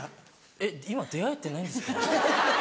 えっ今出会えてないんですか？